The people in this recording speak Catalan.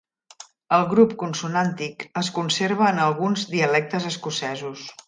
El grup consonàntic es conserva en alguns dialectes escocesos.